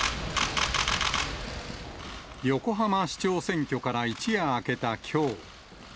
横浜市長選挙から一夜明けたきょう。